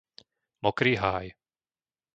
Mokrý Háj